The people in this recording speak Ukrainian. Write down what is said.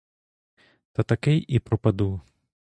Та такий і пропаду.